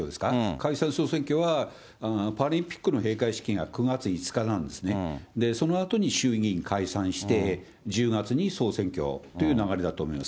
解散・総選挙はパラリンピックの閉会式が９月５日なんですね、そのあとに衆議院解散して、１０月に総選挙という流れだと思います。